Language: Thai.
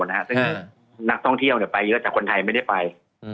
ซึ่งนักท่องเที่ยวไปเยอะแต่คนไทยไม่ได้ไป